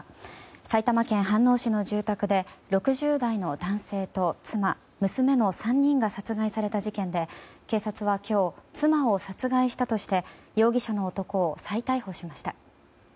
埼玉県飯能市の住宅で６０代の男性と妻娘の３人が殺害された事件で警察は今日妻を殺害したとして容疑者の男を再逮捕しました。